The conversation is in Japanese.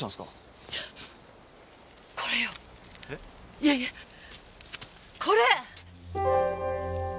いやいやこれ！